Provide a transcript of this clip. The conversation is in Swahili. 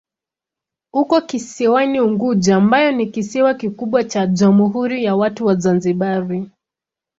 Uko kisiwani Unguja ambayo ni kisiwa kikubwa cha Jamhuri ya Watu wa Zanzibar.